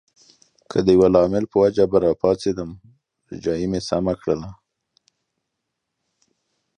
که د یوه لامل په وجه به راپاڅېدم، روژایې مې سمه کړله.